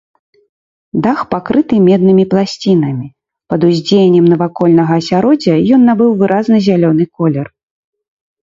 Дах пакрыты меднымі пласцінамі, пад уздзеяннем навакольнага асяроддзя ён набыў выразны зялёны колер.